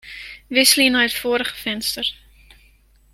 Wikselje nei it foarige finster.